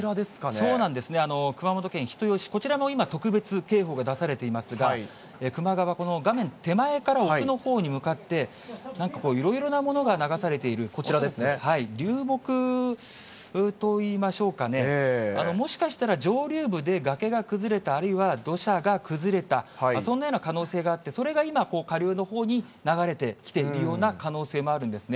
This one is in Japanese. そうなんですね、熊本県人吉、こちらも今、特別警報が出されていますが、球磨川、この画面手前から奥のほうに向かって、なんかこう、いろいろなものが流されている、こちらですね、流木といいましょうかね、もしかしたら上流部で崖が崩れた、あるいは土砂が崩れた、そんなような可能性があって、それが今、下流のほうに流れてきているような可能性もあるんですね。